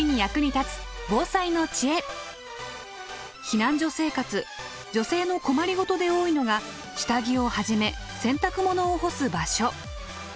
避難所生活女性の困り事で多いのが下着をはじめ洗濯物を干す場所。